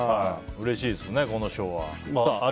うれしいですね、この賞は。